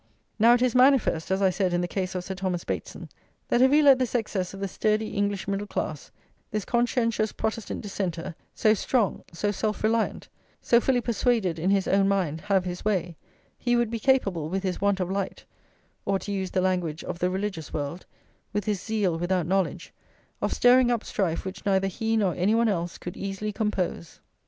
Now it is manifest, as I said in the case of Sir Thomas Bateson, that if we let this excess of the sturdy English middle class, this conscientious Protestant Dissenter, so strong, so self reliant, so fully persuaded in his own mind, have his way, he would be capable, with his want of light or, to use the language of the religious world, with his zeal without knowledge of stirring up strife which neither he nor any one else could easily compose.